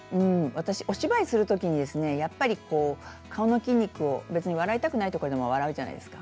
私、お芝居するとき顔の筋肉を別に笑いたくないところでも笑うじゃないですか。